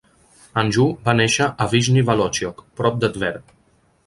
Anjou va néixer a Vyshny Volochyok, prop de Tver.